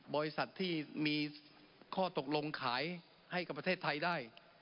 บริษัทที่มีข้อตกลงขายให้กับประเทศไทยได้